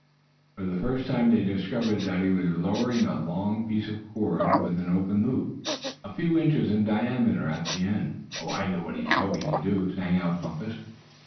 For the first time they discovered that he was lowering a long piece of cord, with an open loop a few inches in diameter at the end. "Oh! I know what he's hoping to do," sang out Bumpus.